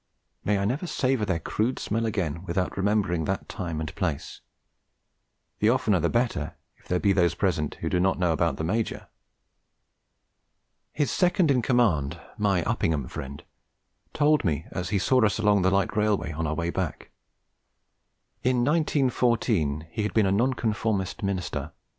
May I never savour their crude smell again without remembering that time and place; the oftener the better, if there be those present who do not know about the Major. His second in command, my Uppingham friend, told me as he saw us along the light railway on our way back. In 1914 the Major had been a Nonconformist Minister.